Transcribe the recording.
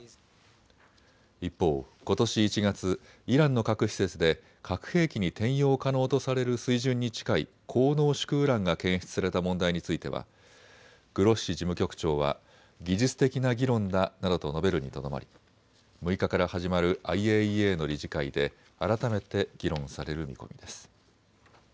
一方、ことし１月、イランの核施設で核兵器に転用可能とされる水準に近い高濃縮ウランが検出された問題についてはグロッシ事務局長は技術的な議論だなどと述べるにとどまり６日から始まるＩＡＥＡの理事会で改めて議論される見込みです。